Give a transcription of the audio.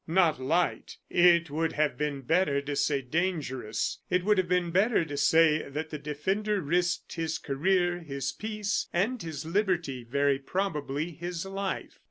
"Not light!" It would have been better to say dangerous. It would have been better to say that the defender risked his career, his peace, and his liberty; very probably, his life.